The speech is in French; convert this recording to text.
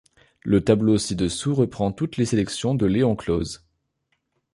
Le tableau ci-dessous reprend toutes les sélections de Léon Close.